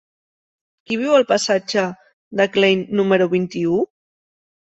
Qui viu al passatge de Klein número vint-i-u?